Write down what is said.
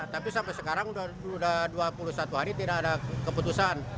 tapi sampai sekarang sudah dua puluh satu hari tidak ada keputusan